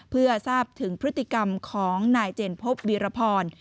เพื่อทราบถึงพฤติกรรมของนายเจนพบวีรพร